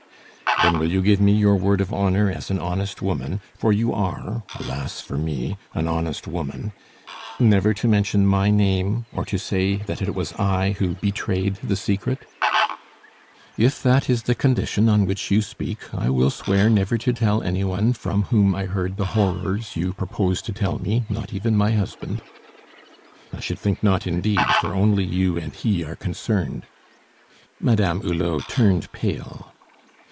"Then will you give me your word of honor as an honest woman for you are, alas for me! an honest woman never to mention my name or to say that it was I who betrayed the secret?" "If that is the condition on which you speak, I will swear never to tell any one from whom I heard the horrors you propose to tell me, not even my husband." "I should think not indeed, for only you and he are concerned." Madame Hulot turned pale.